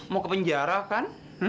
mau ke penjara kan